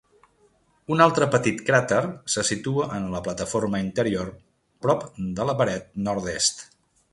Un altre petit cràter se situa en la plataforma interior prop de la paret nord-est.